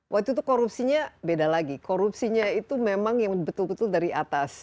waktu itu korupsinya beda lagi korupsinya itu memang yang betul betul dari atas